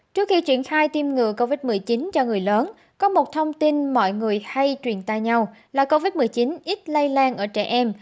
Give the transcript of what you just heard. trước khi triển khai tiêm ngừa covid một mươi chín cho người lớn có một thông tin mọi người hay truyền tay nhau là covid một mươi chín ít lây lan ở trẻ em